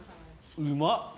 うまっ。